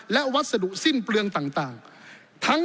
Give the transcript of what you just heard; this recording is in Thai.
และวัสดุสิ้นเปลืองต่าง